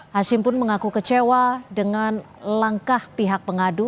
hashim pun mengaku kecewa dengan langkah pihak pengadu